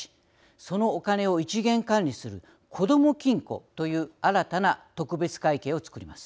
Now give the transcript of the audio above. そのお金を一元管理するこども金庫という新たな特別会計を作ります。